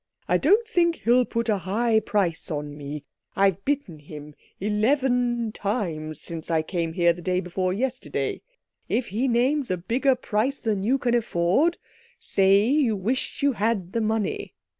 I don't think he'll put a high price on me—I've bitten him eleven times since I came here the day before yesterday. If he names a bigger price than you can afford, say you wish you had the money."